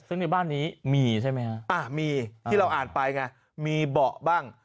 ซึ่งในบ้านนี้มีใช่ไหมฮะมีที่เราอ่านไปไงมีเบาะบ้าง